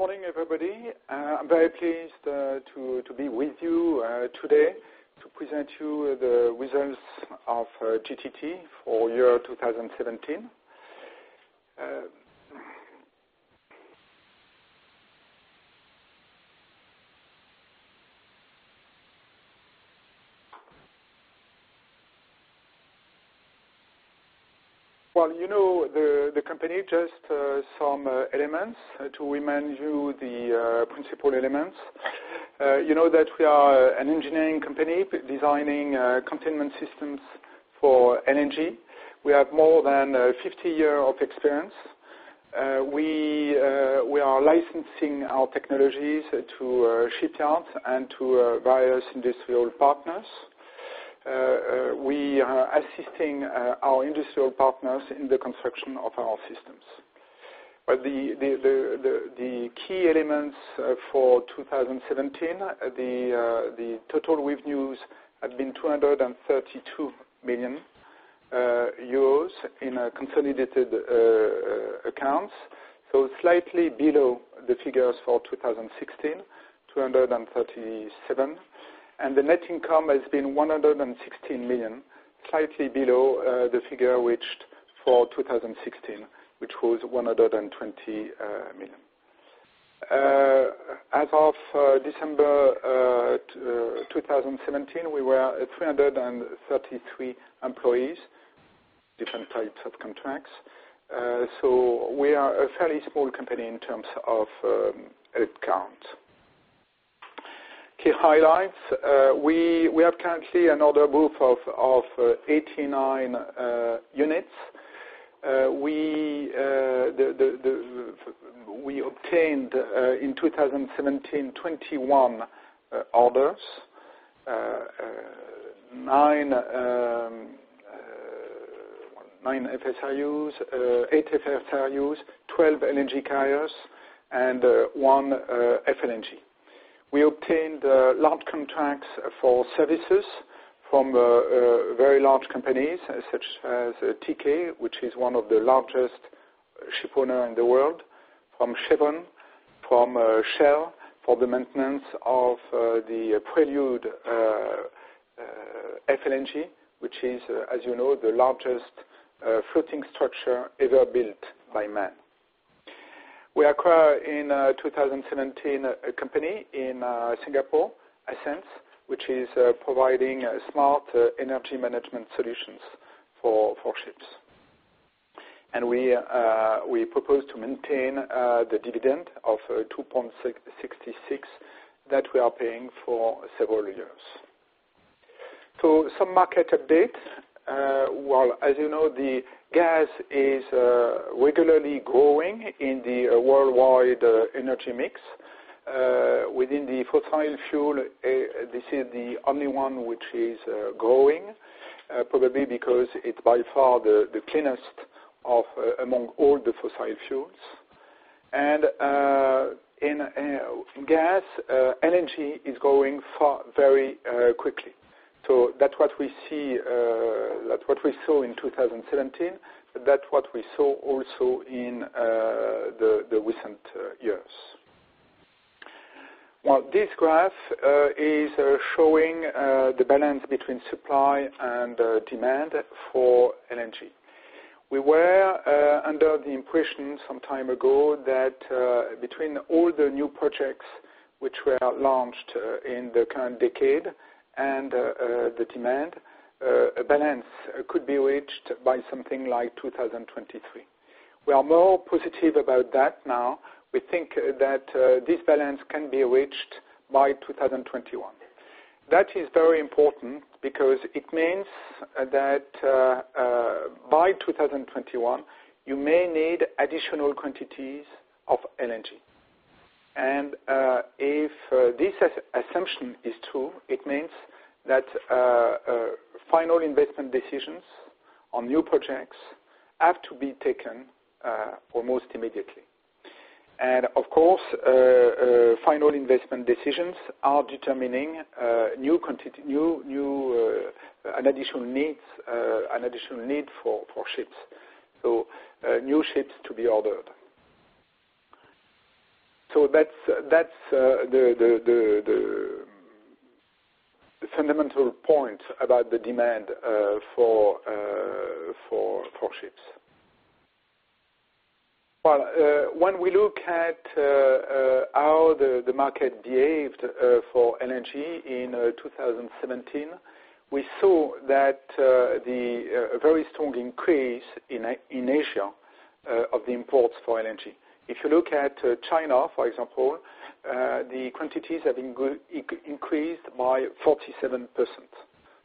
Good morning, everybody. I'm very pleased to be with you today to present you the results of GTT for year 2017. Well, you know, the company, just some elements to remind you the principal elements. You know that we are an engineering company designing containment systems for LNG. We have more than 50 year of experience. We are licensing our technologies to shipyards and to various industrial partners. We are assisting our industrial partners in the construction of our systems. But the key elements for 2017, the total revenues have been 232 million euros in a consolidated accounts, so slightly below the figures for 2016, 237. The net income has been 116 million, slightly below the figure reached for 2016, which was 120 million. As of December 2017, we were at 333 employees, different types of contracts. So we are a fairly small company in terms of headcount. Key highlights, we have currently an order book of 89 units. We obtained in 2017 21 orders, 8 FSRUs, 12 LNG carriers, and 1 FLNG. We obtained large contracts for services from very large companies, such as Teekay, which is one of the largest shipowner in the world, from Chevron, from Shell, for the maintenance of the Prelude FLNG, which is, as you know, the largest floating structure ever built by man. We acquire in 2017 a company in Singapore, Ascenz, which is providing smart energy management solutions for ships. And we propose to maintain the dividend of 2.66 that we are paying for several years. So some market updates. Well, as you know, the gas is regularly growing in the worldwide energy mix. Within the fossil fuel, this is the only one which is growing, probably because it's by far the cleanest among all the fossil fuels. In gas, LNG is growing very quickly. So that's what we see, that's what we saw in 2017, that's what we saw also in the recent years. Well, this graph is showing the balance between supply and demand for LNG. We were under the impression some time ago that, between all the new projects which were launched in the current decade and the demand, a balance could be reached by something like 2023. We are more positive about that now. We think that this balance can be reached by 2021. That is very important because it means that, by 2021, you may need additional quantities of LNG. If this assumption is true, it means that final investment decisions on new projects have to be taken almost immediately. Of course, final investment decisions are determining new additional need for ships, so new ships to be ordered. So that's the fundamental point about the demand for ships. Well, when we look at how the market behaved for LNG in 2017, we saw that a very strong increase in Asia of the imports for LNG. If you look at China, for example, the quantities have been increased by 47%,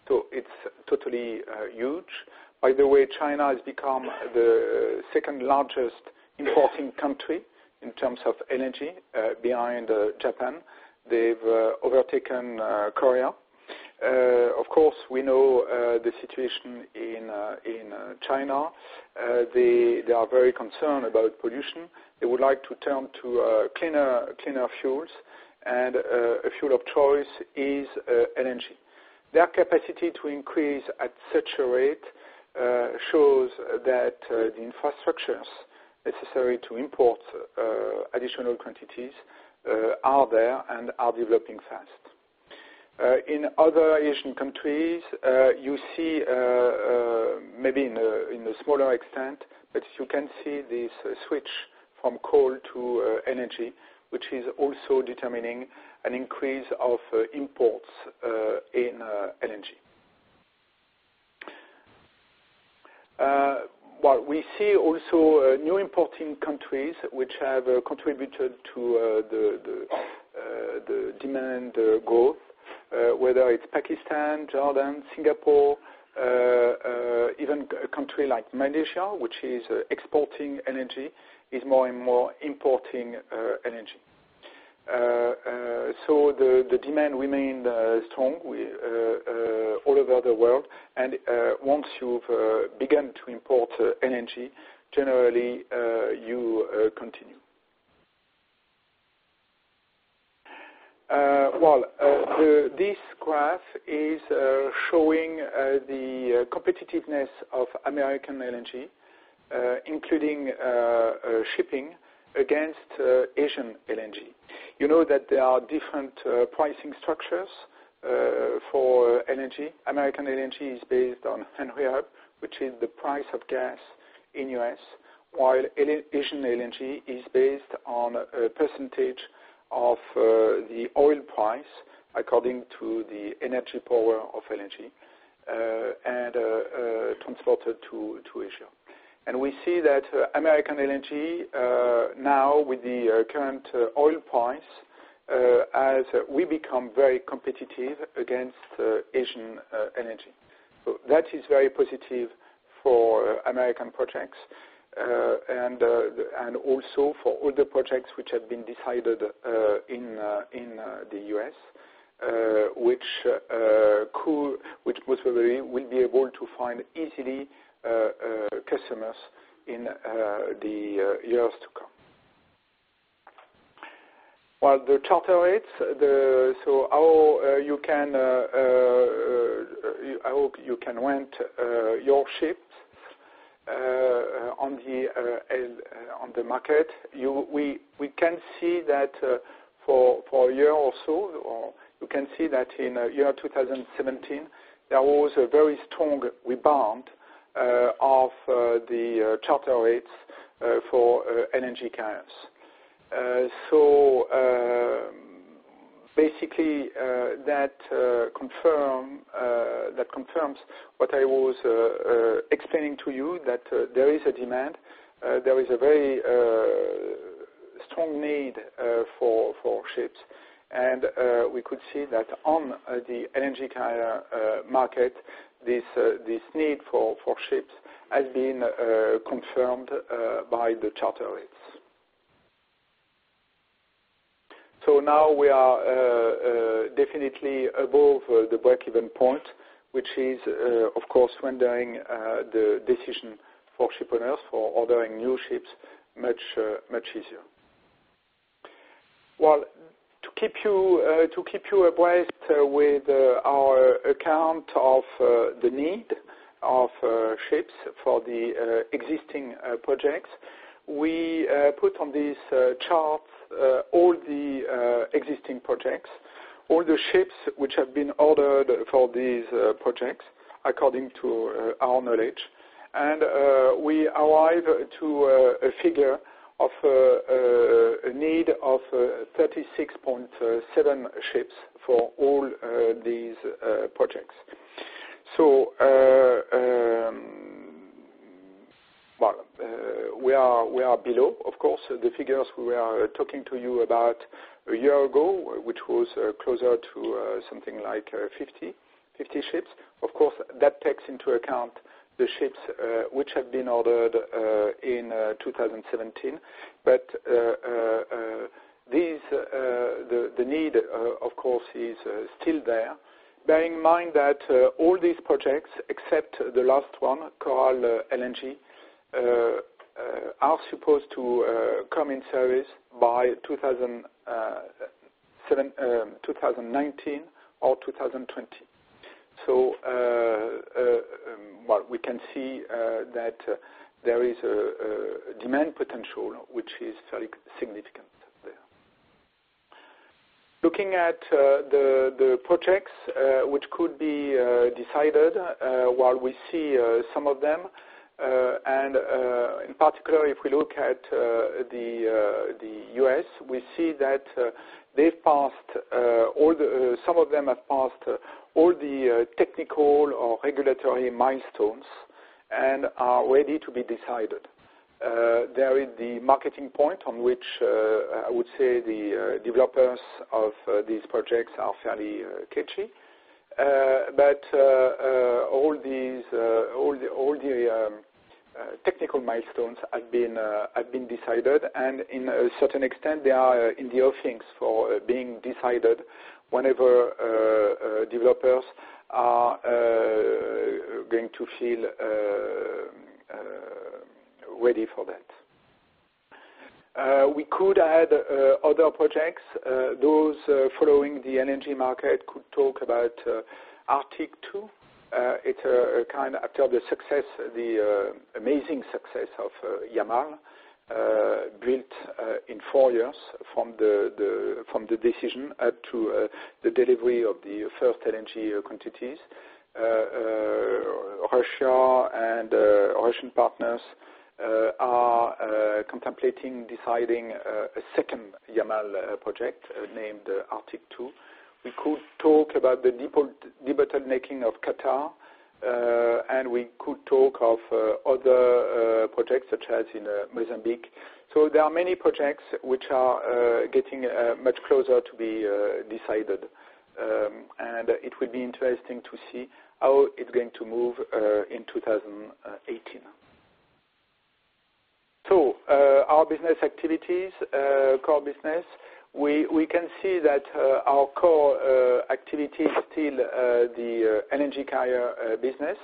so it's totally huge. By the way, China has become the second-largest importing country in terms of LNG behind Japan. They've overtaken Korea. Of course, we know the situation in China. They are very concerned about pollution. They would like to turn to cleaner, cleaner fuels, and a fuel of choice is LNG. Their capacity to increase at such a rate shows that the infrastructures necessary to import additional quantities are there and are developing fast. In other Asian countries, you see maybe in a smaller extent, but you can see this switch from coal to energy, which is also determining an increase of imports in LNG. Well, we see also new importing countries which have contributed to the demand growth, whether it's Pakistan, Jordan, Singapore, even a country like Malaysia, which is exporting energy, is more and more importing energy. So the demand remained strong all over the world, and once you've begun to import LNG, generally, you continue. Well, this graph is showing the competitiveness of American LNG, including shipping against Asian LNG. You know, that there are different pricing structures for LNG. American LNG is based on Henry Hub, which is the price of gas in U.S., while the Asian LNG is based on a percentage of the oil price according to the energy power of LNG and transported to Asia. And we see that American LNG now with the current oil price as we become very competitive against Asian LNG. So that is very positive for American projects and also for all the projects which have been decided in the U.S., which possibly will be able to find easily customers in the years to come. Well, the charter rates, so how you can I hope you can rent your ships on the market. We can see that for a year or so, or you can see that in 2017, there was a very strong rebound of the charter rates for LNG carriers. So, basically, that confirms what I was explaining to you, that there is a demand, there is a very strong need for ships. And we could see that on the LNG carrier market, this need for ships has been confirmed by the charter rates. So now we are definitely above the breakeven point, which is, of course, rendering the decision for shipowners for ordering new ships much easier. Well, to keep you abreast with our account of the need of ships for the existing projects, we put on this chart all the existing projects, all the ships which have been ordered for these projects, according to our knowledge. And we arrive to a figure of a need of 36.7 ships for all these projects. So, well, we are below, of course, the figures we were talking to you about a year ago, which was closer to something like 50 ships. Of course, that takes into account the ships which have been ordered in 2017. But the need, of course, is still there. Bear in mind that, all these projects, except the last one, Coral LNG, are supposed to come in service by 2017, 2019 or 2020. So, well, we can see that there is a demand potential, which is fairly significant there. Looking at the projects which could be decided, while we see some of them, and, in particular, if we look at the US, we see that, they've passed, all the, some of them have passed all the technical or regulatory milestones and are ready to be decided. There is the marketing point on which, I would say the developers of these projects are fairly catchy. But all the technical milestones have been decided, and in a certain extent, they are in the offings for being decided whenever developers are going to feel ready for that. We could add other projects, those following the LNG market could talk about Arctic Two. It's a kind, after the success, the amazing success of Yamal built in four years from the decision up to the delivery of the first LNG quantities. Russia and Russian partners are contemplating deciding a second Yamal project named Arctic Two. We could talk about the development of Qatar, and we could talk of other projects such as in Mozambique. So there are many projects which are getting much closer to be decided. And it will be interesting to see how it's going to move in 2018. So our business activities, core business, we can see that our core activity is still the LNG carrier business,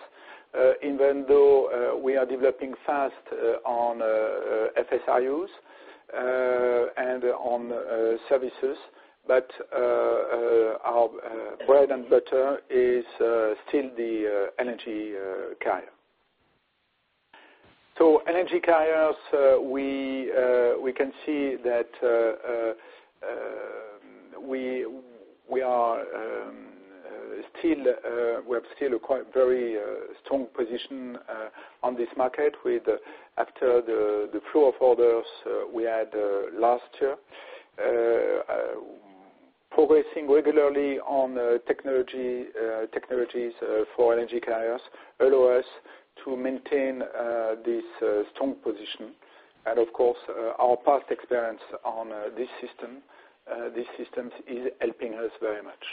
even though we are developing fast on FSRUs and on services. But our bread and butter is still the LNG carrier. So energy carriers, we can see that we are still we have still a quite very strong position on this market with after the flow of orders we had last year. Progressing regularly on technology technologies for energy carriers allow us to maintain this strong position. And of course, our past experience on this system these systems is helping us very much.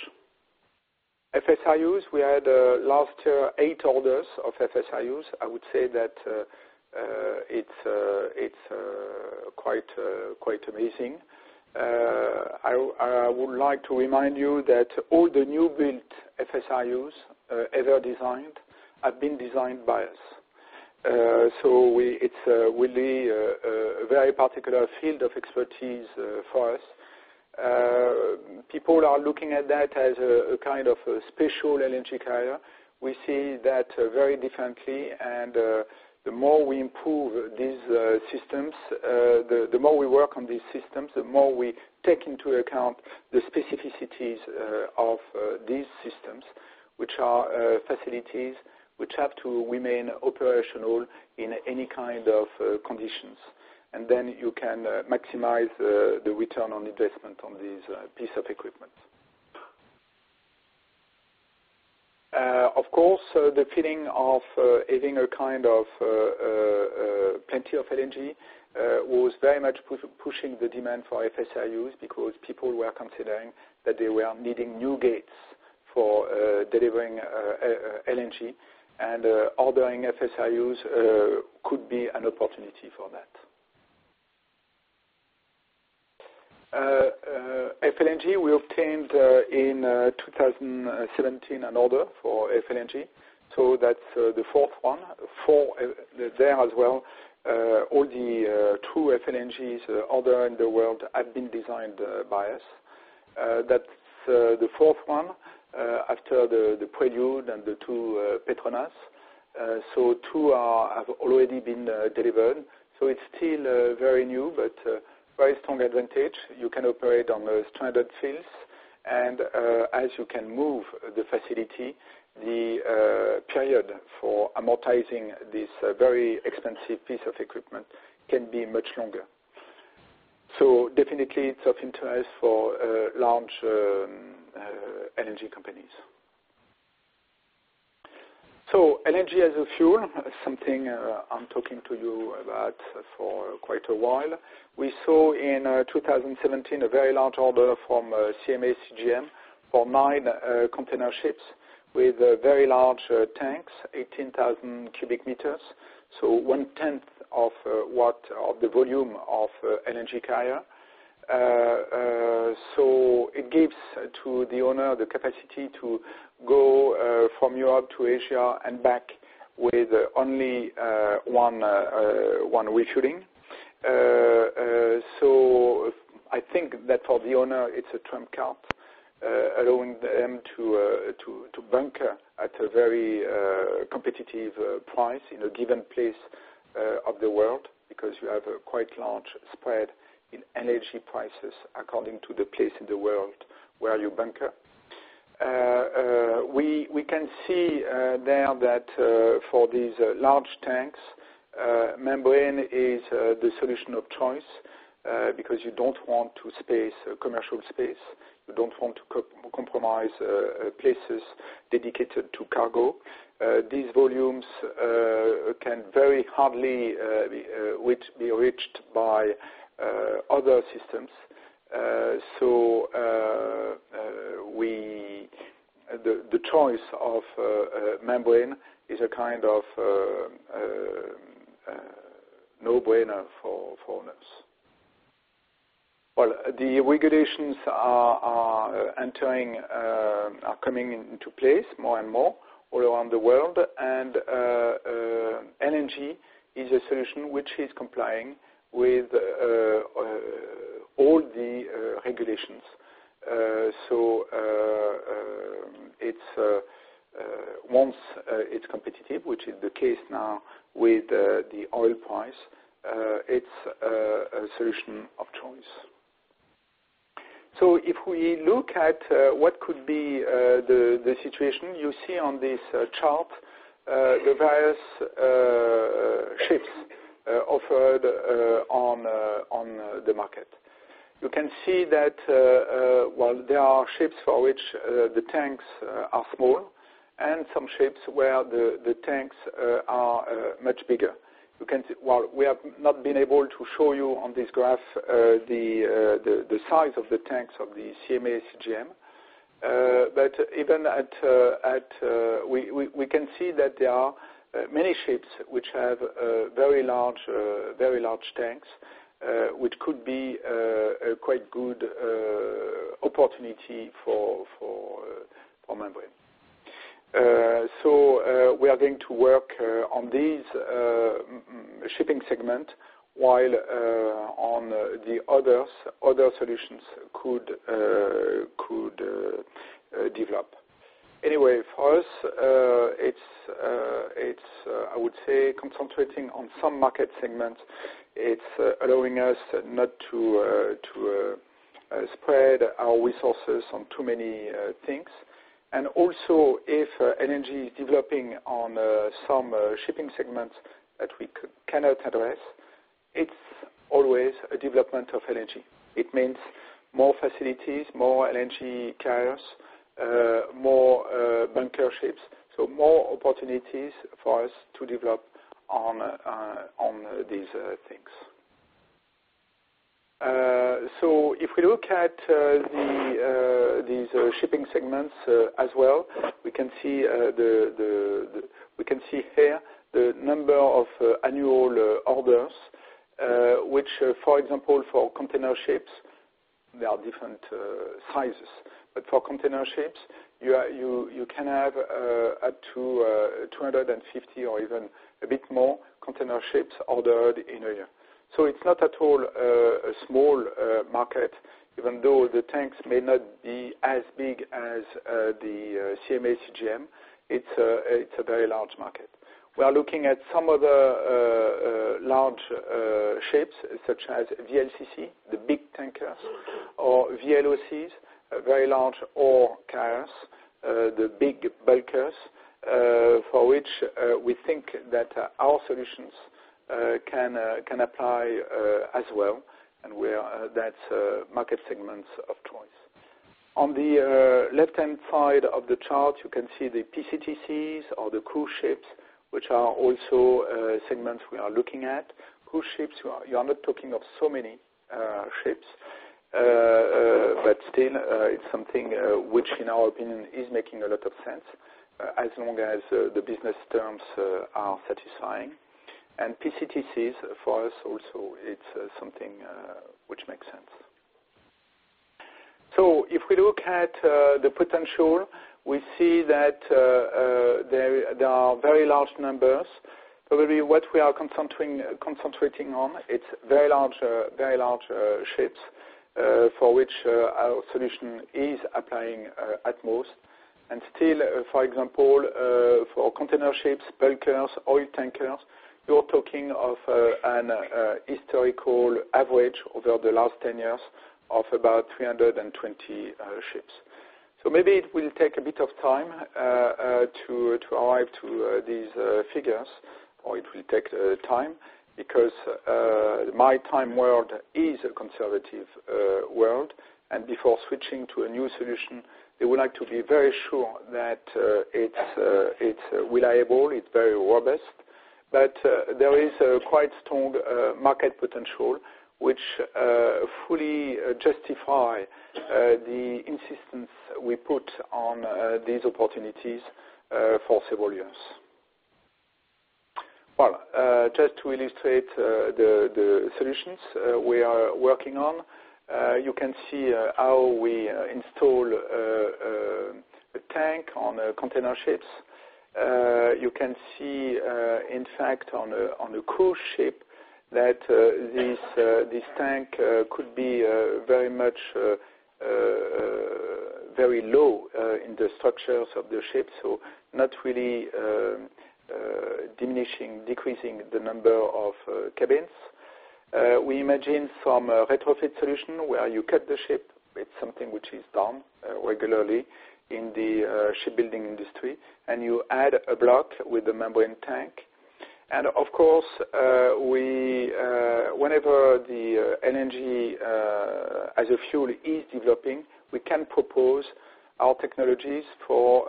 FSRUs, we had last year eight orders of FSRUs. I would say that it's quite quite amazing. I would like to remind you that all the new built FSRUs ever designed have been designed by us. So it's really a very particular field of expertise for us. People are looking at that as a kind of a special energy carrier. We see that very differently, and the more we improve these systems, the more we work on these systems, the more we take into account the specificities of these systems, which are facilities which have to remain operational in any kind of conditions. And then you can maximize the return on investment on these piece of equipment. Of course, the feeling of having a kind of plenty of LNG was very much pushing the demand for FSRUs, because people were considering that they were needing new gates for delivering LNG, and ordering FSRUs could be an opportunity for that. FLNG, we obtained in 2017 an order for FLNG, so that's the fourth one. For there as well, all the two FLNGs ordered in the world have been designed by us. That's the fourth one after the Prelude and the two Petronas. So two have already been delivered. So it's still very new, but very strong advantage. You can operate on the stranded fields, and as you can move the facility, the period for amortizing this very expensive piece of equipment can be much longer. So definitely it's of interest for large energy companies. So LNG as a fuel, something I'm talking to you about for quite a while. We saw in 2017 a very large order from CMA CGM for 9 container ships with very large tanks, 18,000 cubic meters, so one-tenth of the volume of LNG carrier. So it gives to the owner the capacity to go from Europe to Asia and back with only one refueling. So I think that for the owner, it's a trump card, allowing them to bunker at a very competitive price in a given place of the world, because you have a quite large spread in LNG prices according to the place in the world where you bunker. We can see there that for these large tanks, membrane is the solution of choice, because you don't want to waste commercial space. You don't want to compromise places dedicated to cargo. These volumes can very hardly be reached by other systems. So the choice of membrane is a kind of no-brainer for owners. Well, the regulations are coming into place more and more all around the world, and LNG is a solution which is complying with all the regulations. So, it's once it's competitive, which is the case now with the oil price, it's a solution of choice. So if we look at what could be the situation, you see on this chart the various ships offered on the market. You can see that, well, there are ships for which the tanks are small, and some ships where the tanks are much bigger. You can see, well, we have not been able to show you on this graph the size of the tanks of the CMA CGM, but even at, we can see that there are many ships which have very large, very large tanks, which could be a quite good opportunity for membrane. So, we are going to work on these shipping segment while on the others, other solutions could develop. Anyway, for us, it's, I would say, concentrating on some market segments, it's allowing us not to spread our resources on too many things. And also, if LNG is developing on some shipping segments that we cannot address, it's always a development of LNG. It means more facilities, more LNG carriers, more bunker ships, so more opportunities for us to develop on these things. So if we look at these shipping segments as well, we can see here the number of annual orders, which, for example, for container ships, there are different sizes. But for container ships, you can have up to 250 or even a bit more container ships ordered in a year. So it's not at all a small market, even though the tanks may not be as big as the CMA CGM, it's a very large market. We are looking at some other large ships, such as VLCC, the big tankers, or VLOCs, very large ore carriers, the big bulkers, for which we think that our solutions can apply as well, and that's market segments of choice. On the left-hand side of the chart, you can see the PCTCs or the cruise ships, which are also segments we are looking at. Cruise ships, you are not talking of so many ships, but still, it's something which in our opinion is making a lot of sense, as long as the business terms are satisfying. And PCTCs, for us also, it's something which makes sense. So if we look at the potential, we see that there are very large numbers. Probably what we are concentrating on, it's very large, very large ships, for which our solution is applying at most. And still, for example, for container ships, bulkers, oil tankers, you're talking of an historical average over the last 10 years of about 320 ships. So maybe it will take a bit of time to arrive to these figures, or it will take time, because the maritime world is a conservative world, and before switching to a new solution, they would like to be very sure that it's reliable, it's very robust. But there is a quite strong market potential, which fully justify the insistence we put on these opportunities for several years. Well, just to illustrate the solutions we are working on, you can see how we install a tank on a container ships. You can see, in fact, on a cruise ship, that this tank could be very much very low in the structures of the ship, so not really decreasing the number of cabins. We imagine some retrofit solution where you cut the ship; it's something which is done regularly in the shipbuilding industry, and you add a block with a membrane tank. And of course, we, whenever the LNG as a fuel is developing, we can propose our technologies for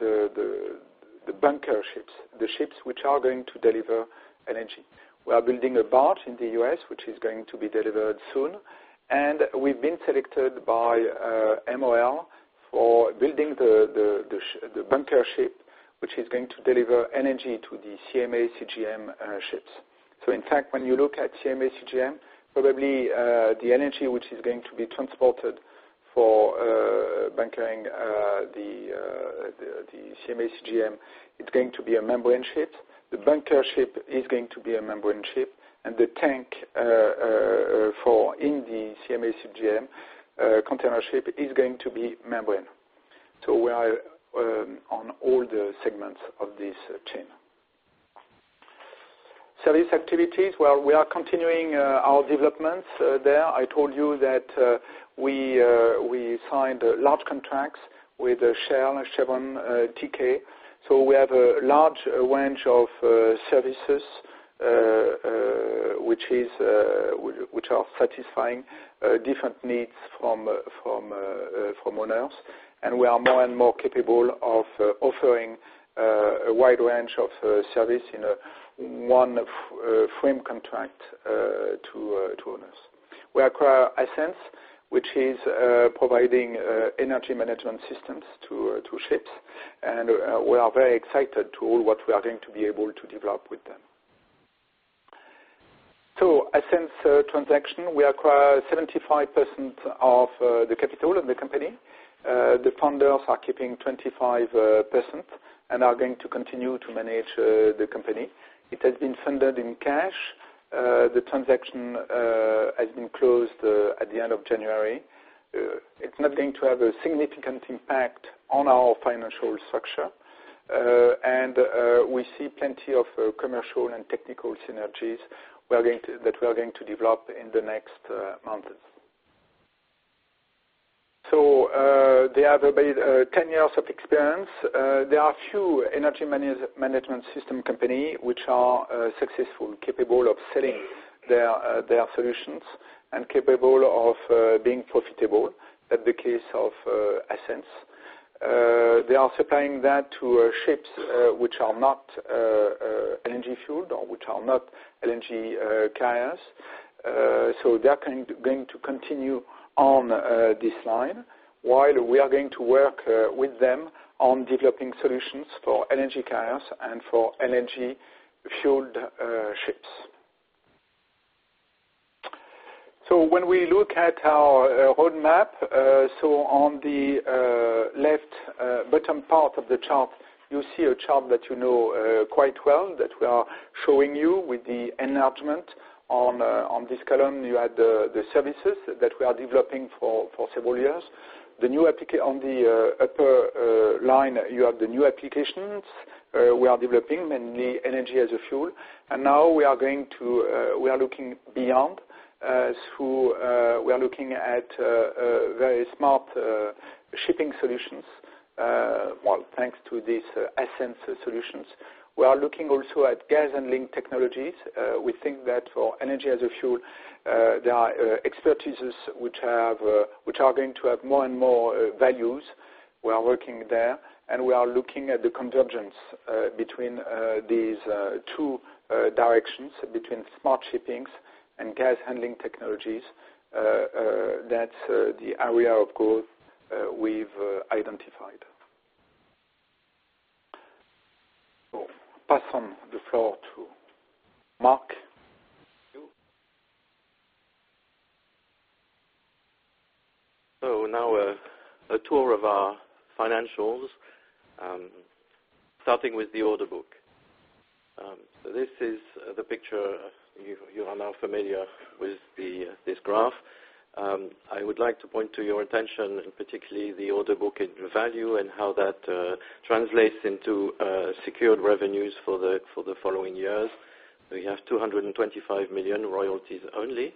the bunker ships, the ships which are going to deliver LNG. We are building a barge in the U.S., which is going to be delivered soon, and we've been selected by MOL for building the bunker ship-... which is going to deliver energy to the CMA CGM ships. So in fact, when you look at CMA CGM, probably, the energy which is going to be transported for bunkering the CMA CGM, it's going to be a membrane ship. The bunker ship is going to be a membrane ship, and the tank for in the CMA CGM container ship is going to be membrane. So we are on all the segments of this chain. Service activities, well, we are continuing our developments there. I told you that we signed large contracts with Shell and Chevron, TK. So we have a large range of services which are satisfying different needs from owners. We are more and more capable of offering a wide range of service in a one-off frame contract to owners. We acquire Ascenz, which is providing energy management systems to ships, and we are very excited to all what we are going to be able to develop with them. So Ascenz transaction, we acquire 75% of the capital of the company. The founders are keeping 25% and are going to continue to manage the company. It has been funded in cash. The transaction has been closed at the end of January. It's not going to have a significant impact on our financial structure. We see plenty of commercial and technical synergies that we are going to develop in the next months. So, they have about 10 years of experience. There are few energy management system companies which are successful, capable of selling their solutions and capable of being profitable, in the case of Ascenz. They are supplying that to ships which are not LNG-fueled or which are not LNG carriers. So they are going to continue on this line, while we are going to work with them on developing solutions for LNG carriers and for LNG-fueled ships. So when we look at our roadmap, so on the left bottom part of the chart, you see a chart that you know quite well, that we are showing you with the enlargement. On this column, you have the services that we are developing for several years. On the upper line, you have the new applications we are developing, mainly energy as a fuel. And now we are going to, we are looking beyond, so we are looking at very smart shipping solutions, well, thanks to these Ascenz solutions. We are looking also at gas handling technologies. We think that for energy as a fuel, there are expertises which have which are going to have more and more values. We are working there, and we are looking at the convergence between these two directions, between smart shipping and gas handling technologies. That's the area of growth we've identified. So pass on the floor to Marc. Thank you. So now a tour of our financials, starting with the order book. So this is the picture you are now familiar with this graph. I would like to point to your attention, particularly the order book in value and how that translates into secured revenues for the following years. We have 225 million royalties only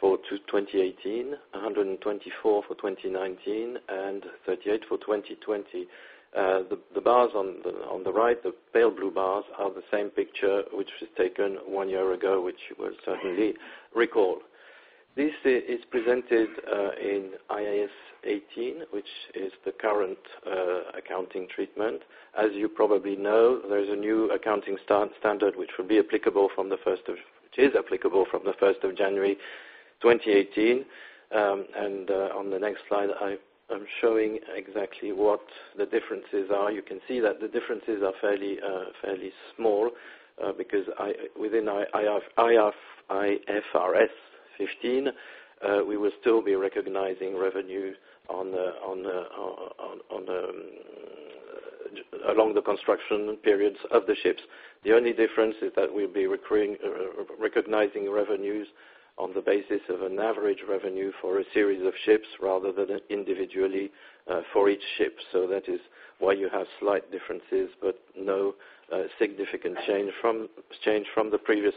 for 2018, 124 million for 2019, and 38 million for 2020. The bars on the right, the pale blue bars, are the same picture which was taken one year ago, which you will certainly recall. This is presented in IAS 18, which is the current accounting treatment. As you probably know, there is a new accounting standard which will be applicable from the first of... Which is applicable from the first of January 2018. On the next slide, I'm showing exactly what the differences are. You can see that the differences are fairly, fairly small, because within IAS, IFRS 15, we will still be recognizing revenue on along the construction periods of the ships. The only difference is that we'll be recognizing revenues on the basis of an average revenue for a series of ships, rather than individually, for each ship. So that is why you have slight differences, but no significant change from the previous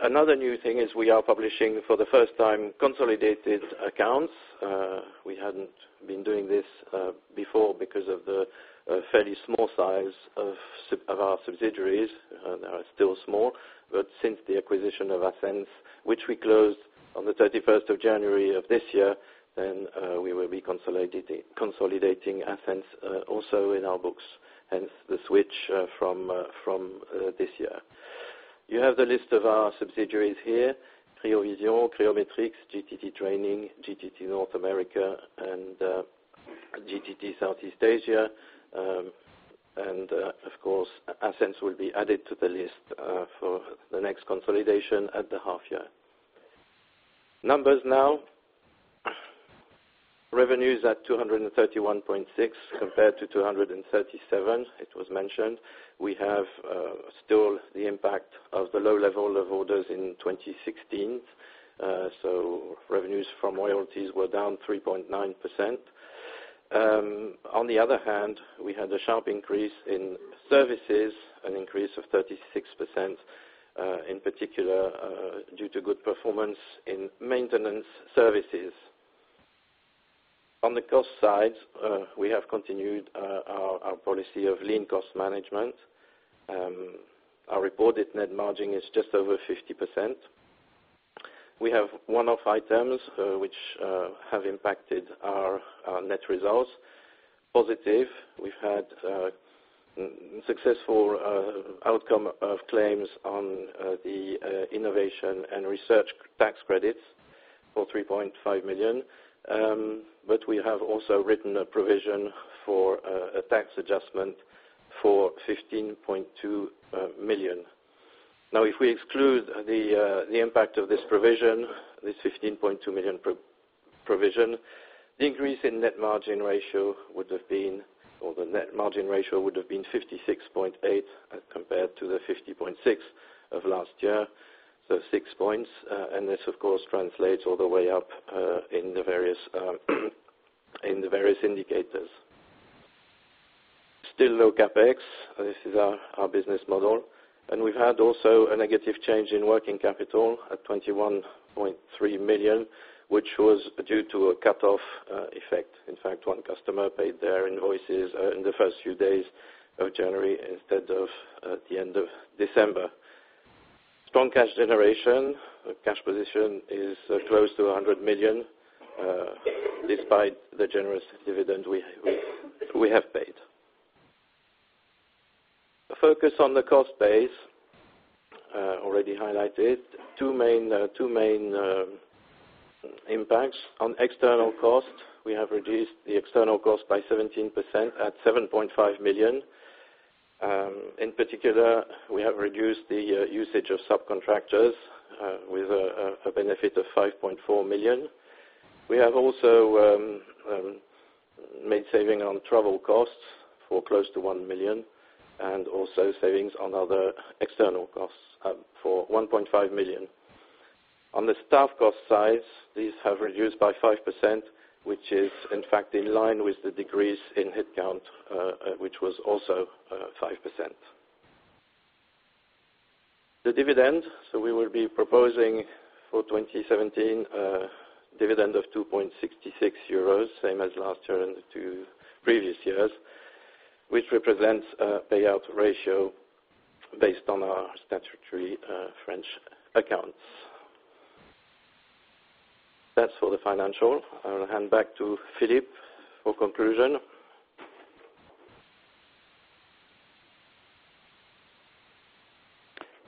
method. Another new thing is we are publishing, for the first time, consolidated accounts. We hadn't been doing this before because of the fairly small size of our subsidiaries, they are still small. But since the acquisition of Ascenz, which we closed on the thirty-first of January of this year, then we will be consolidating Ascenz also in our books, hence the switch from this year. You have the list of our subsidiaries here, Cryovision, Cryometrics, GTT Training, GTT North America, and GTT Southeast Asia. Of course, Ascenz will be added to the list for the next consolidation at the half year. Numbers now, revenues at 231.6 compared to 237, it was mentioned. We have still the impact of the low level of orders in 2016. So revenues from royalties were down 3.9%. On the other hand, we had a sharp increase in services, an increase of 36%, in particular, due to good performance in maintenance services. On the cost side, we have continued our policy of lean cost management. Our reported net margin is just over 50%. We have one-off items, which have impacted our net results. Positive, we've had successful outcome of claims on the innovation and research tax credits for 3.5 million. But we have also written a provision for a tax adjustment for 15.2 million. Now, if we exclude the impact of this provision, this 15.2 million provision, the increase in net margin ratio would have been, or the net margin ratio would have been 56.8% as compared to the 50.6% of last year, so 6 points. And this, of course, translates all the way up in the various indicators. Still low CapEx, this is our business model, and we've had also a negative change in working capital at 21.3 million, which was due to a cut-off effect. In fact, one customer paid their invoices in the first few days of January instead of at the end of December. Strong cash generation. The cash position is close to 100 million, despite the generous dividend we have paid. A focus on the cost base, already highlighted. Two main impacts. On external costs, we have reduced the external cost by 17% at 7.5 million. In particular, we have reduced the usage of subcontractors with a benefit of 5.4 million. We have also made saving on travel costs for close to 1 million and also savings on other external costs for 1.5 million. On the staff cost side, these have reduced by 5%, which is, in fact, in line with the decrease in headcount, which was also 5%. The dividend, so we will be proposing for 2017, dividend of 2.66 euros, same as last year and the two previous years, which represents a payout ratio based on our statutory, French accounts. That's all the financial. I'll hand back to Philippe for conclusion.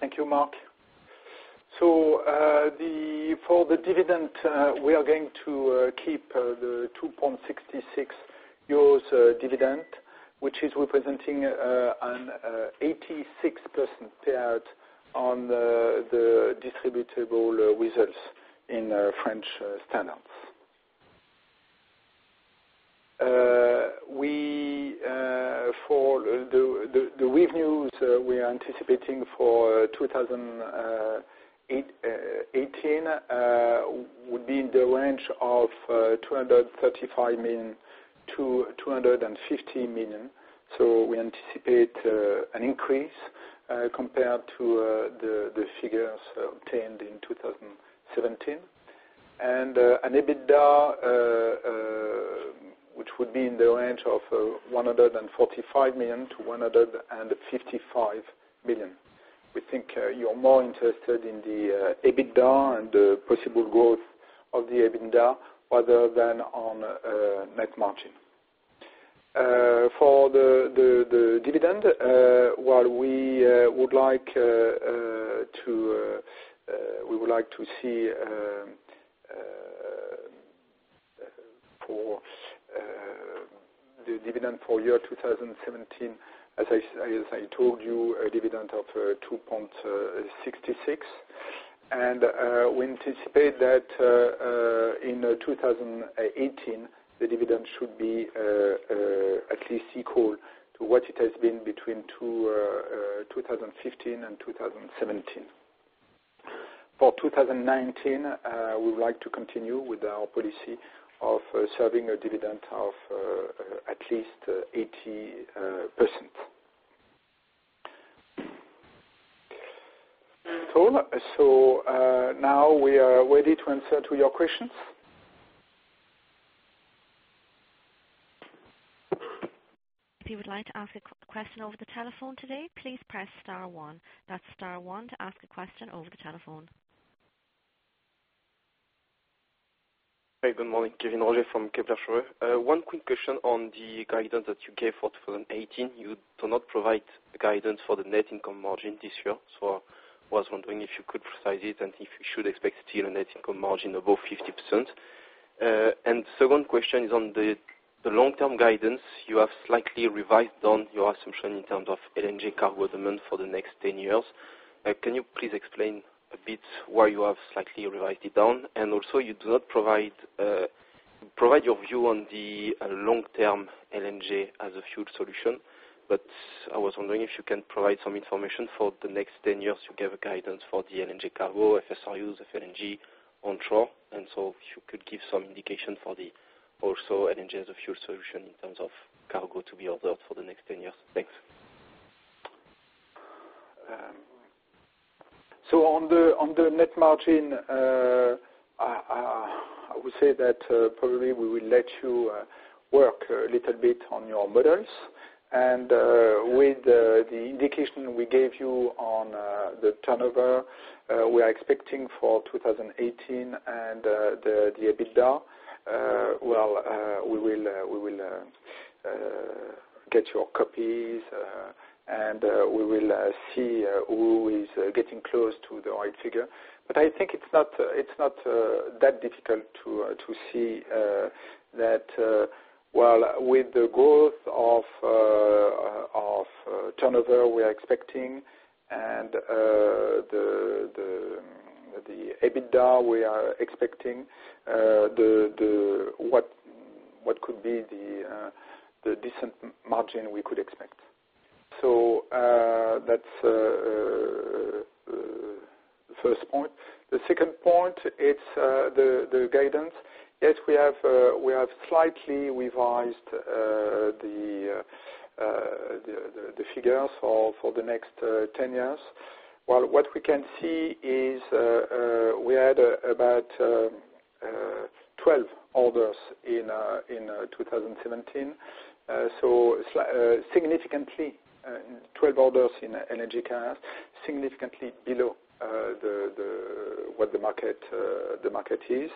Thank you, Marc. So, for the dividend, we are going to keep the 2.66 euros dividend, which is representing an 86% payout on the distributable results in French standards. For the revenues, we are anticipating for 2018 would be in the range of 235 million-250 million, so we anticipate an increase compared to the figures obtained in 2017. An EBITDA which would be in the range of 145 million-155 million. We think you're more interested in the EBITDA and the possible growth of the EBITDA rather than on net margin. For the dividend, while we would like to see for the dividend for year 2017, as I told you, a dividend of 2.66. We anticipate that in 2018, the dividend should be at least equal to what it has been between 2015 and 2017. For 2019, we would like to continue with our policy of serving a dividend of at least 80%. That's all. Now we are ready to answer to your questions. If you would like to ask a question over the telephone today, please press star one. That's star one to ask a question over the telephone. Hey, good morning, Kevin Roger from Kepler Cheuvreux. One quick question on the guidance that you gave for 2018. You do not provide the guidance for the net income margin this year, so I was wondering if you could precise it, and if you should expect still a net income margin above 50%? And second question is on the long-term guidance. You have slightly revised on your assumption in terms of LNG cargo demand for the next 10 years. Can you please explain a bit why you have slightly revised it down? And also you do not provide your view on the long-term LNG as a fuel solution. But I was wondering if you can provide some information for the next 10 years to give a guidance for the LNG cargo, FSRUs, FLNG on shore. So if you could give some indication for the also LNG as a fuel solution in terms of cargo to be ordered for the next 10 years? Thanks. So on the net margin, I would say that probably we will let you work a little bit on your models. And with the indication we gave you on the turnover we are expecting for 2018, and the EBITDA, well, we will get your copies, and we will see who is getting close to the right figure. But I think it's not that difficult to see that well, with the growth of turnover we are expecting, and the EBITDA we are expecting, what could be the decent margin we could expect. So that's the first point. The second point, it's the guidance. Yes, we have slightly revised the figures for the next 10 years. Well, what we can see is, we had about 12 orders in 2017. So significantly 12 orders in LNG carriers, significantly below what the market is.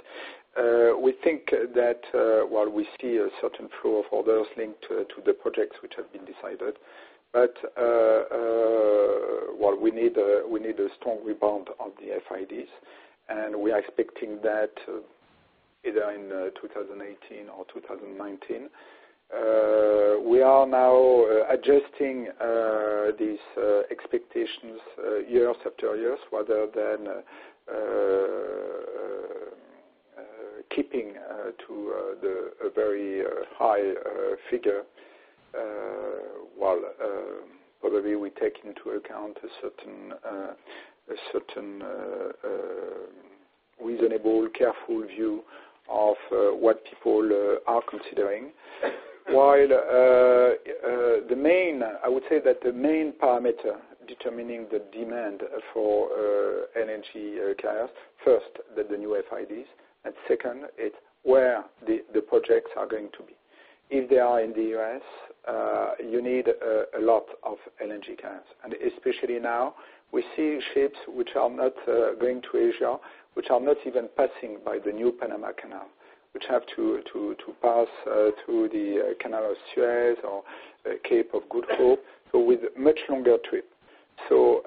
We think that while we see a certain flow of orders linked to the projects which have been decided, but well, we need a strong rebound on the FIDs, and we are expecting that either in 2018 or 2019. We are now adjusting these expectations year after year, rather than keeping to a very high figure. While, probably we take into account a certain, reasonable, careful view of what people are considering. While, the main... I would say that the main parameter determining the demand for LNG carriers, first, the new FIDs, and second, it's where the projects are going to be. If they are in the U.S., you need a lot of LNG carriers. And especially now, we see ships which are not going to Asia, which are not even passing by the new Panama Canal, which have to pass through the Suez Canal or Cape of Good Hope, so with much longer trip. So,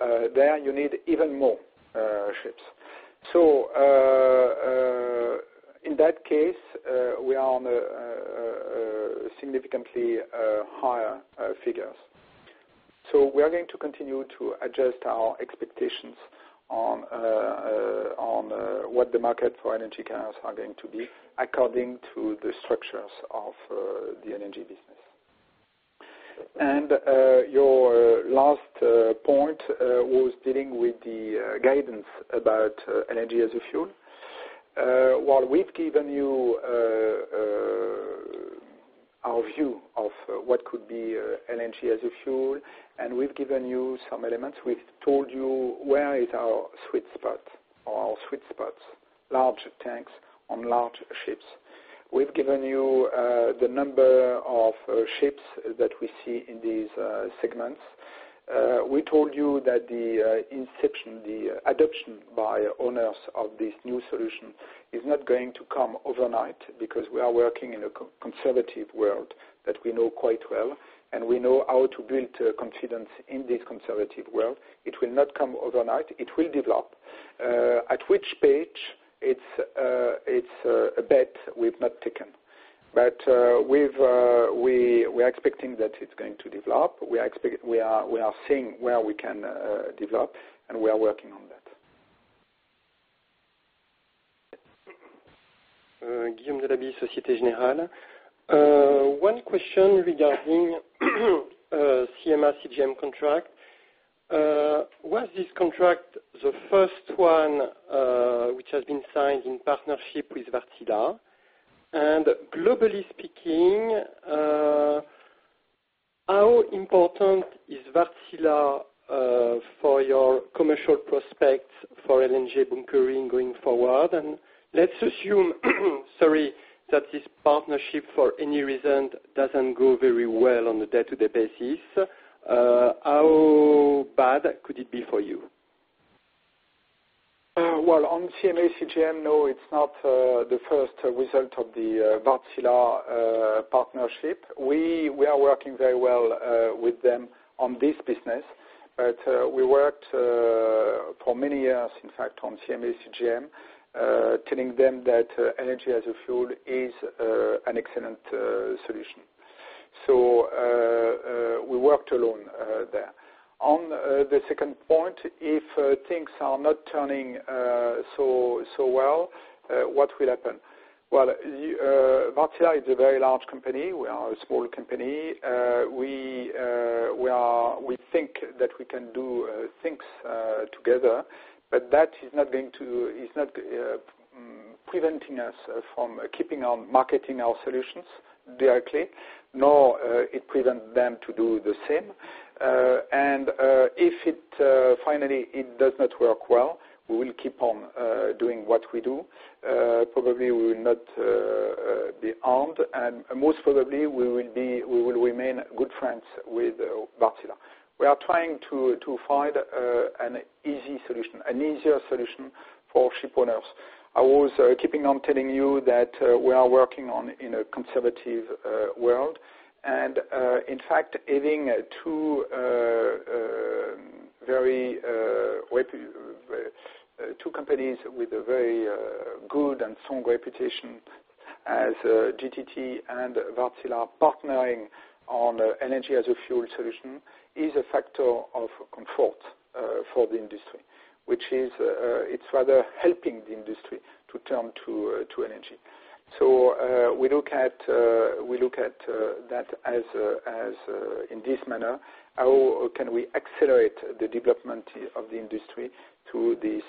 in that case, we are on a significantly higher figures. So we are going to continue to adjust our expectations on what the market for LNG carriers are going to be according to the structures of the LNG business. And your last point was dealing with the guidance about LNG as a fuel. While we've given you our view of what could be LNG as a fuel, and we've given you some elements, we've told you where is our sweet spot or our sweet spots, large tanks on large ships. We've given you the number of ships that we see in these segments. We told you that the inception, the adoption by owners of this new solution is not going to come overnight, because we are working in a conservative world that we know quite well, and we know how to build confidence in this conservative world. It will not come overnight. It will develop. At which page? It's a bet we've not taken. But we are expecting that it's going to develop. We are seeing where we can develop, and we are working on that. Guillaume de Labarrière, Société Générale. One question regarding the CMA CGM contract. Was this contract the first one, which has been signed in partnership with Wärtsilä? And globally speaking, how important is Wärtsilä for your commercial prospects for LNG bunkering going forward? And let's assume, sorry, that this partnership, for any reason, doesn't go very well on a day-to-day basis, how bad could it be for you? Well, on CMA CGM, no, it's not the first result of the Wärtsilä partnership. We are working very well with them on this business, but we worked for many years, in fact, on CMA CGM, telling them that LNG as a fuel is an excellent solution. So we worked alone there. On the second point, if things are not turning so well, what will happen? Well, Wärtsilä is a very large company. We are a small company. We think that we can do things together, but that is not going to- it's not preventing us from keeping on marketing our solutions directly, nor it prevent them to do the same. And if it finally does not work well, we will keep on doing what we do. Probably we will not be harmed, and most probably, we will remain good friends with Wärtsilä. We are trying to find an easy solution, an easier solution for shipowners. I will keep on telling you that we are working in a conservative world, and in fact, having two very reputable companies with a very good and strong reputation as GTT and Wärtsilä partnering on LNG as a fuel solution is a factor of comfort for the industry, which is... It's rather helping the industry to turn to LNG. We look at that as in this manner: how can we accelerate the development of the industry to the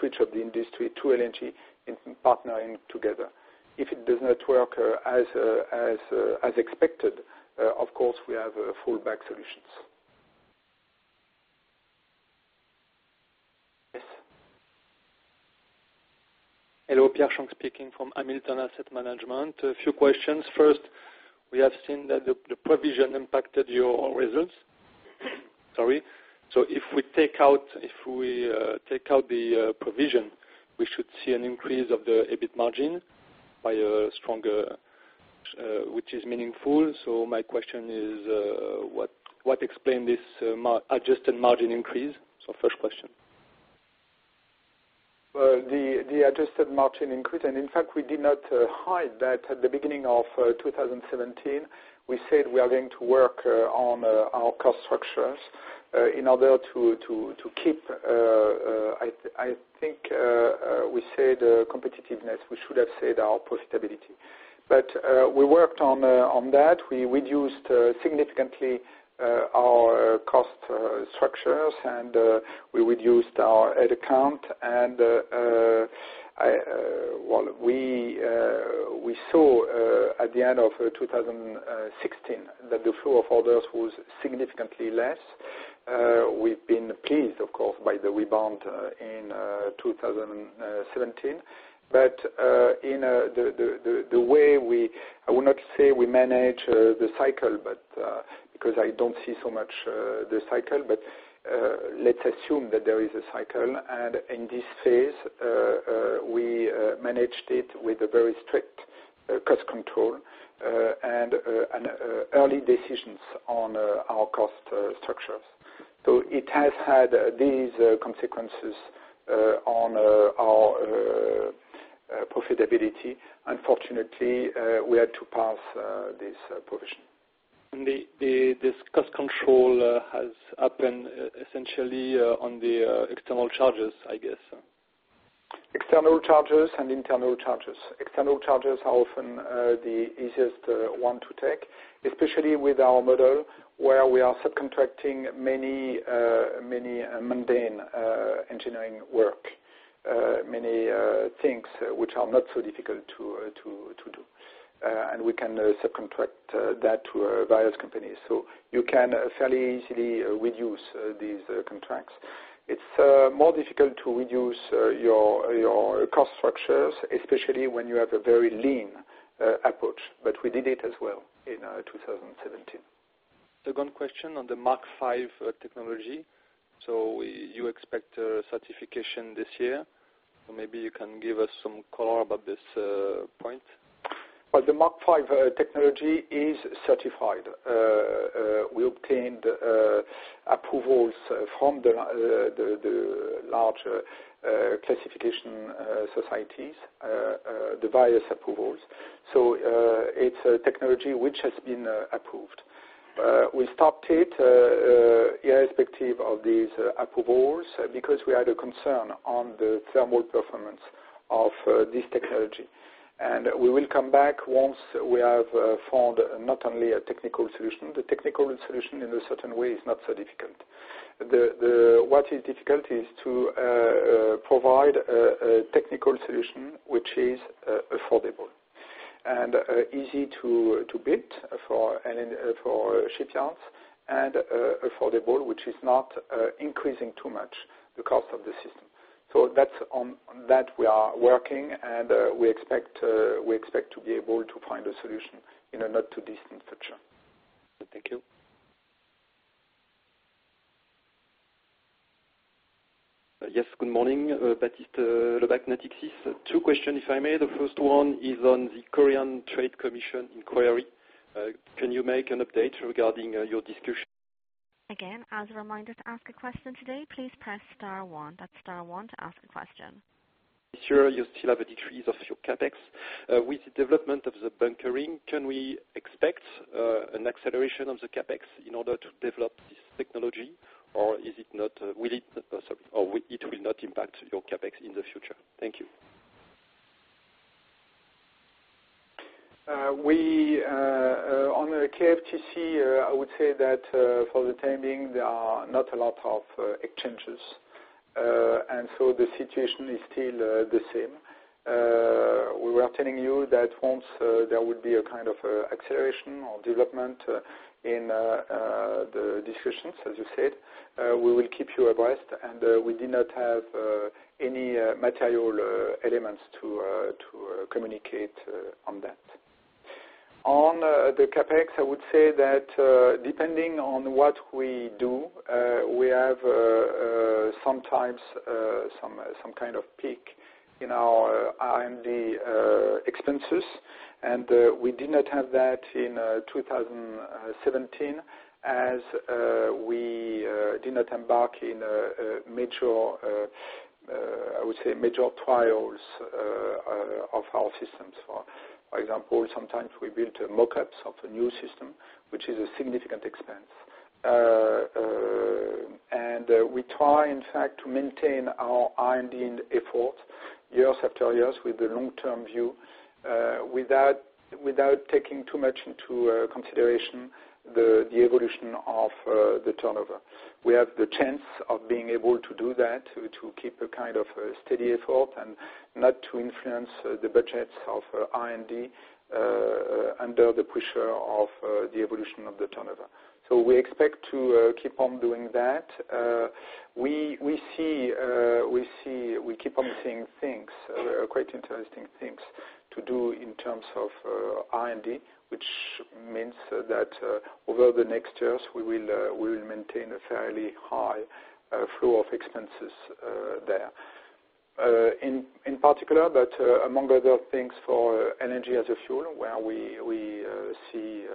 switch of the industry to LNG in partnering together? If it does not work as expected, of course, we have fallback solutions. Yes. Hello, Pierre Schang speaking from Amilton Asset Management. A few questions. First, we have seen that the provision impacted your results. Sorry. So if we take out the provision, we should see an increase of the EBIT margin by a stronger, which is meaningful. So my question is, what explain this adjusted margin increase? So first question. Well, the adjusted margin increased, and in fact, we did not hide that at the beginning of 2017. We said we are going to work on our cost structures in order to keep... I think we said competitiveness. We should have said our profitability. But we worked on that. We reduced significantly our cost structures, and we reduced our head count. And well, we saw at the end of 2016 that the flow of orders was significantly less. We've been pleased, of course, by the rebound in 2017. But in the way we... I will not say we manage the cycle, but because I don't see so much the cycle, but let's assume that there is a cycle, and in this phase we managed it with a very strict cost control, and early decisions on our cost structures. So it has had these consequences on our profitability. Unfortunately, we had to pass this provision. This cost control has happened essentially on the external charges, I guess? External charges and internal charges. External charges are often the easiest one to take, especially with our model, where we are subcontracting many mundane engineering work, many things which are not so difficult to do. And we can subcontract that to various companies. So you can fairly easily reduce these contracts. It's more difficult to reduce your cost structures, especially when you have a very lean approach, but we did it as well in 2017. Second question on the Mark V technology. So you expect certification this year? So maybe you can give us some color about this point. Well, the Mark V technology is certified. We obtained approvals from the large classification societies, the various approvals. So, it's a technology which has been approved. We stopped it irrespective of these approvals, because we had a concern on the thermal performance of this technology. And we will come back once we have found not only a technical solution, the technical solution in a certain way is not so difficult. What is difficult is to provide a technical solution which is affordable and easy to build for shipyards, and affordable, which is not increasing too much the cost of the system. That's on that we are working, and we expect to be able to find a solution in a not too distant future. Thank you. Yes, good morning, Baptiste Lebacq, Natixis. Two questions, if I may. The first one is on the Korea Fair Trade Commission inquiry. Can you make an update regarding your discussion? Again, as a reminder, to ask a question today, please press star one. That's star one to ask a question. Sure, you still have a decrease of your CapEx. With the development of the bunkering, can we expect an acceleration of the CapEx in order to develop this technology? Or will it not impact your CapEx in the future? Thank you. On the KFTC, I would say that, for the time being, there are not a lot of exchanges. And so the situation is still the same. We were telling you that once there would be a kind of acceleration or development in the discussions, as you said, we will keep you abreast, and we did not have any material elements to communicate on that. On the CapEx, I would say that, depending on what we do, we have sometimes some kind of peak in our R&D expenses. We did not have that in 2017, as we did not embark in a major, I would say major trials of our systems. For example, sometimes we built mock-ups of a new system, which is a significant expense. And we try, in fact, to maintain our R&D effort years after years with the long-term view, without taking too much into consideration the evolution of the turnover. We have the chance of being able to do that, to keep a kind of steady effort and not to influence the budgets of R&D under the pressure of the evolution of the turnover. So we expect to keep on doing that. We keep on seeing things, quite interesting things to do in terms of R&D, which means that over the next years, we will maintain a fairly high flow of expenses there. In particular, but among other things, for LNG as a fuel, where we see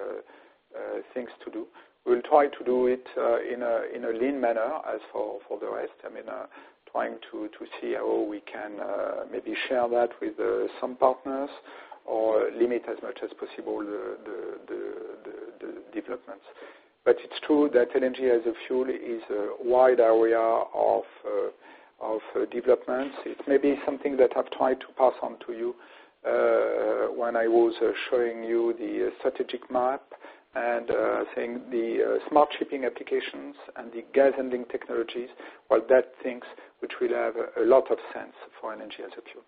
things to do, we'll try to do it in a lean manner as for the rest. I mean, trying to see how we can maybe share that with some partners or limit as much as possible the developments. But it's true that LNG as a fuel is a wide area of developments. It may be something that I've tried to pass on to you, when I was showing you the strategic map and saying the smart shipping applications and the gas handling technologies. Well, that things which will have a lot of sense for LNG as a fuel.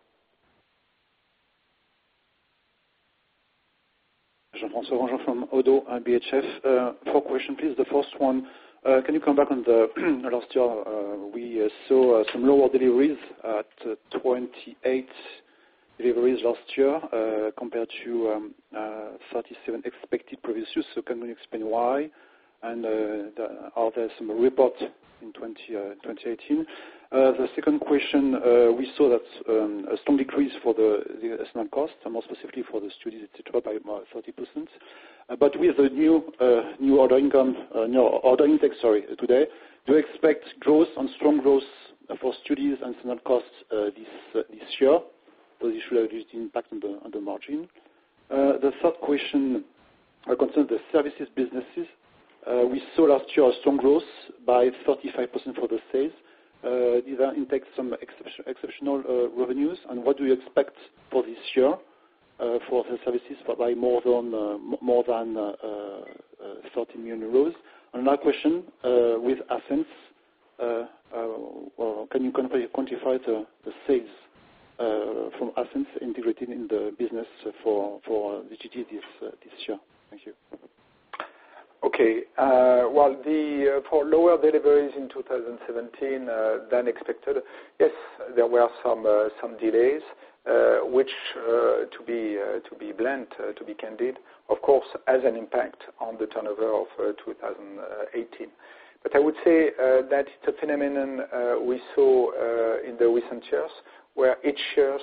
Jean-François Granjon from Oddo BHF. Four questions, please. The first one, can you come back on the last year, we saw, some lower deliveries, at 28 deliveries last year, compared to, 37 expected previous years. So can you explain why? And, are there some reports in 2018? The second question, we saw that, a strong decrease for the, the estimate cost, and more specifically for the studies, et cetera, by about 30%. But with the new, new order income, new order intake, sorry, today, do you expect growth and strong growth for studies and similar costs, this, this year? So this should have reduced impact on the, on the margin. The third question, concerns the services businesses. We saw last year a strong growth by 35% for the sales. These are intakes some exceptional revenues, and what do you expect for this year, for the services by more than 13 million euros? And last question, with Ascenz, well, can you quantify the sales from Ascenz integrated in the business for GTT this year? Thank you. Okay. Well, for lower deliveries in 2017 than expected, yes, there were some delays, which, to be blunt, to be candid, of course, has an impact on the turnover of 2018. But I would say that it's a phenomenon we saw in the recent years, where each year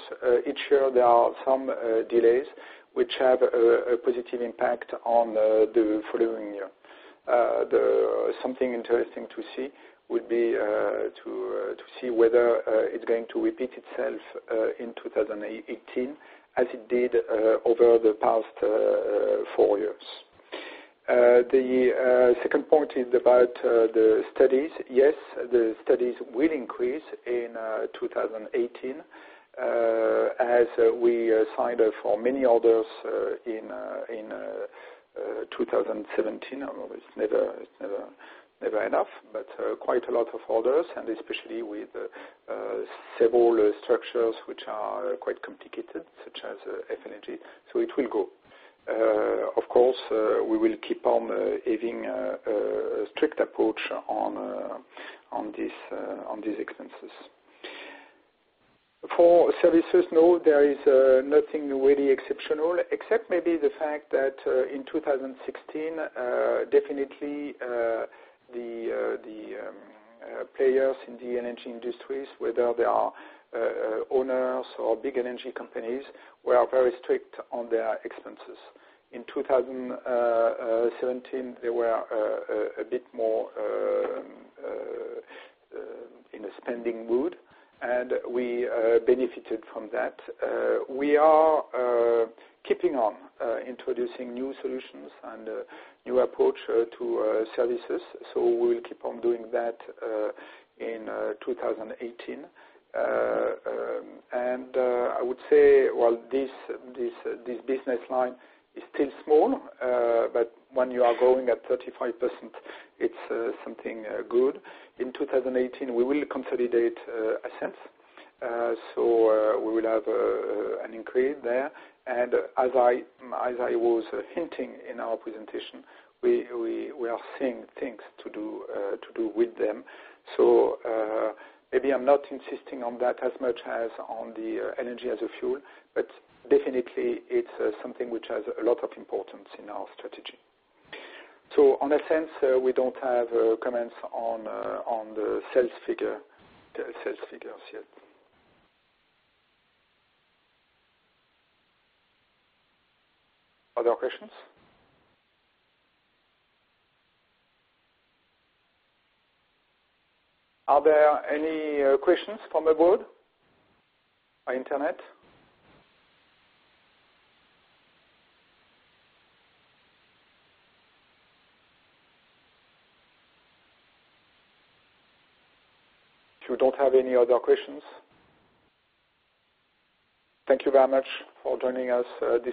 there are some delays which have a positive impact on the following year. Something interesting to see would be to see whether it's going to repeat itself in 2018, as it did over the past four years. The second point is about the studies. Yes, the studies will increase in 2018, as we signed up for many orders in 2017. It's never, it's never, never enough, but quite a lot of orders, and especially with several structures which are quite complicated, such as FSRUs. So it will go up. Of course, we will keep on having a strict approach on these expenses. For services, no, there is nothing really exceptional, except maybe the fact that, in 2016, definitely, the players in the energy industries, whether they are owners or big energy companies, were very strict on their expenses. In 2017, they were a bit more in a spending mood, and we benefited from that. We are keeping on introducing new solutions and new approach to services, so we will keep on doing that in 2018. And I would say, while this business line is still small, but when you are growing at 35%, it's something good. In 2018, we will consolidate Ascenz, so we will have an increase there. And as I was hinting in our presentation, we are seeing things to do with them. So, maybe I'm not insisting on that as much as on the energy as a fuel, but definitely it's something which has a lot of importance in our strategy. So on Ascenz, we don't have comments on the sales figure, the sales figures yet. Other questions? Are there any questions from the board or internet? If you don't have any other questions, thank you very much for joining us today.